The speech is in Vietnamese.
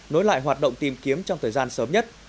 nối lại hoạt động tìm kiếm trong thời gian sớm nhất